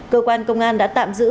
cơ quan công an đã tạm giữ